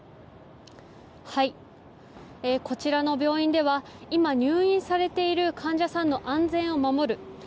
こちらの病院では今、入院されている患者さんの安全を守る。